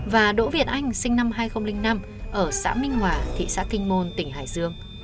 và đỗ việt anh sinh năm hai nghìn năm ở xã minh hòa thị xã kinh môn tỉnh hải dương